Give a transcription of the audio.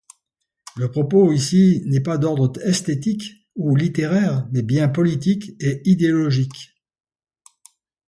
Le propos ici n'est pas d'ordre esthétique ou littéraire, mais bien politique et idéologique.